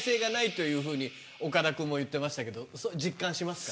岡田君も言ってましたけど実感しますか？